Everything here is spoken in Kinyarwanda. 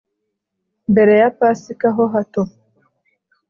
mbere ya pasika ho hato,